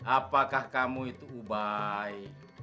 apakah kamu itu ubay